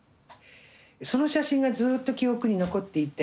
その写真がずっと記憶に残っていて。